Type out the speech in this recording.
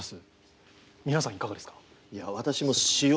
皆さんいかがですか？